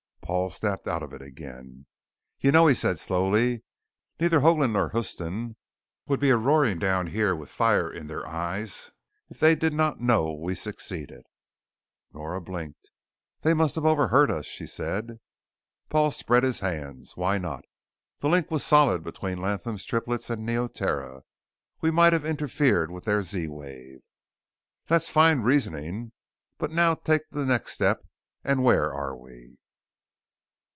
Paul snapped out of it again. "Y'know," he said slowly, "Neither Hoagland nor Huston would be a roaring down here with fire in their eyes if they did not know we'd succeeded." Nora blinked. "They must have overheard us," she said. Paul spread his hands. "Why not? The link was solid between Latham's Triplets and Neoterra. We might have interfered with their Z wave." "That's fine reasoning. But now take the next step and where are we?"